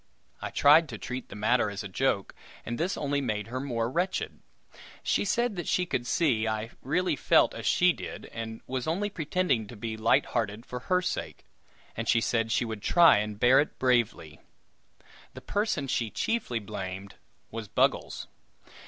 I tried to treat the matter as a joke, and this only made her more wretched. She said that she could see I really felt as she did, and was only pretending to be light hearted for her sake, and she said she would try and bear it bravely. The person she chiefly blamed was Buggles.